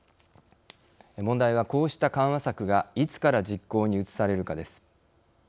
問題は、こうした緩和策がいつから実行に移されるかです。